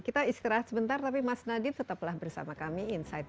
kita istirahat sebentar tapi mas nadyn tetaplah bersama kami